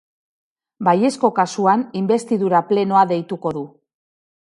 Baiezko kasuan, inbestidura plenoa deituko du.